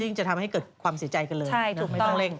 ซึ่งจะทำให้เกิดความเสียใจกันเลยไม่ต้องเร่งใช่ถูกต้อง